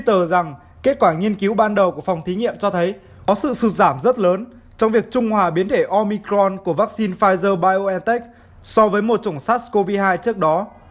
tờ rằng kết quả nghiên cứu ban đầu của phòng thí nghiệm cho thấy có sự sụt giảm rất lớn trong việc trung hòa biến thể omicron của vaccine pfizer biontech so với một chủng sars cov hai trước đó